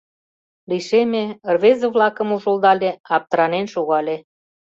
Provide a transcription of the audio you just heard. Лишеме, рвезе-влакым ужылдале, аптыранен шогале.